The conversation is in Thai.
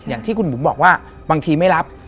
อย่างที่คุณบุ๋มบอกว่าบางทีไม่รับ